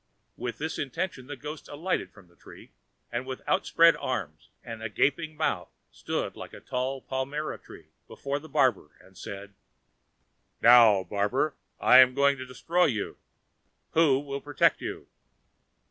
With this intention the ghost alighted from the tree, and, with outspread arms and a gaping mouth, stood like a tall palmyra tree before the barber, and said, "Now, barber, I am going to destroy you. Who will protect you?"